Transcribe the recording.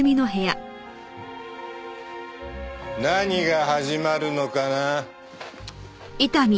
何が始まるのかな？